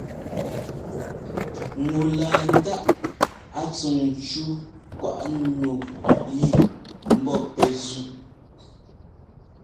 Ŋu laa ńdáꞌ a tsuŋ ńcú kwaꞌ nu yɛ ḿbɔ́ pɛ́ zúꞌ.